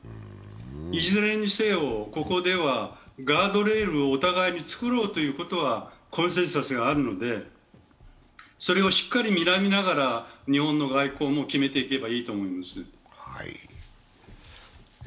いずれにせよ、ここではガードレールをお互いに作ろうということはコンセンサスがあるので、それをしっかりにらみながら日本の外交も決めていけばいいと思います。